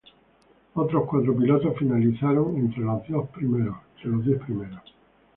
Otros cuatro pilotos finalizaron entre los diez primeros.